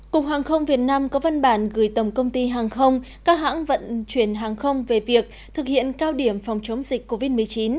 cục hàng không việt nam có văn bản gửi tổng công ty hàng không các hãng vận chuyển hàng không về việc thực hiện cao điểm phòng chống dịch covid một mươi chín